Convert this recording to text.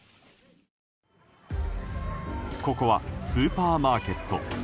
ここはスーパーマーケット。